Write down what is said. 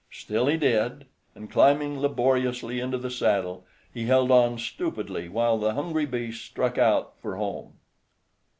Still he did, and climbing laboriously into the saddle, he held on stupidly while the hungry beast struck out for home.